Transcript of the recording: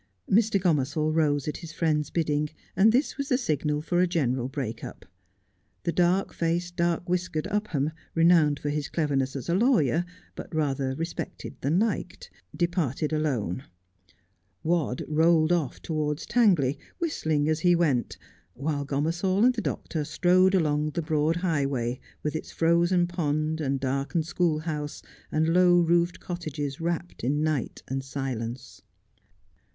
Mr. Gomersall rose at his friend's bidding, and this was the signal for a general break up. The dark faced, dark whiskered Upham, renowned for his cleverness as a lawyer, but rather respected than liked, departed alone. Wadd rolled off towards Tangley, whistling as he went : while Gomersall and the doctor strode along the broad highway, with its frozen pond, and darkened schoolhouse, and low roofed cottages wrapped in night and silence.